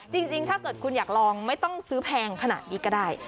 จริงถ้าเกิดคุณอยากลองไม่ต้องซื้อแพงขนาดนี้ก็ได้